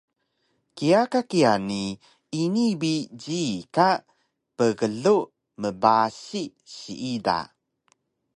Kiya ka kiya ni ini bi jiyi ka pklug mbasi siida